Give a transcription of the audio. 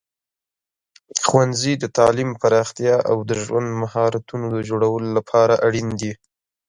ښوونځي د تعلیم پراختیا او د ژوند مهارتونو د جوړولو لپاره اړین دي.